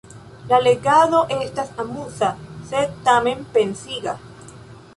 La legado estas amuza sed, tamen, pensiga.